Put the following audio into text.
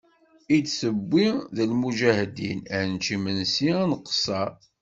I d-tewwi d lmuǧahdin, ad nečč imensi ad nqesser.